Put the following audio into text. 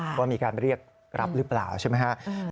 ว่ามีการเรียกรับหรือเปล่าใช่ไหมครับ